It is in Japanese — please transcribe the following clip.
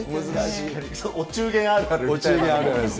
お中元あるある。